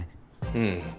うん。